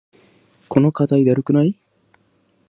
この課題だるくない？